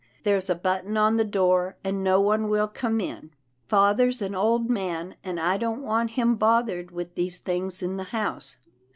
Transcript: There's a button on the door, and no one will come in. Father's an old man, and I don't want him bothered with these things in the house."